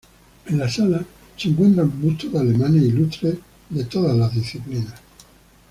En la sala se encuentran bustos de alemanes ilustres de todas las disciplinas.